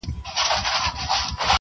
نور به نه ملوک سم نه د اوسپني څپلۍ لرم -